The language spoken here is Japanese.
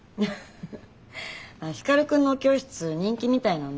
フフ光くんのお教室人気みたいなんだ。